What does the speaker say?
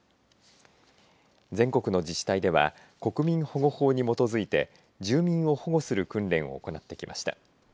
全国の自治体では国民保護法に基づいて住民を保護する訓練を行ってきました。